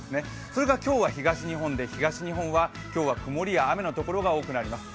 それが今日は東日本で、東日本は今日は雲や雨の所が多くなります。